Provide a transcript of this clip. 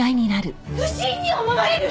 不審に思われる！